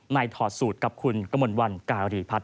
ในถอดสูตรกับคุณกวันกาหรี่พันธ์